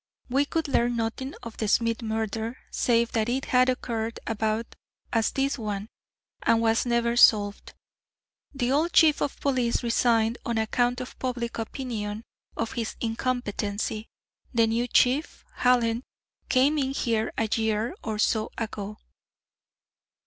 We could learn nothing of the Smith murder save that it had occurred about as this one, and was never solved. The old Chief of Police resigned on account of public opinion of his incompetency; the new Chief, Hallen, came in here a year or so ago."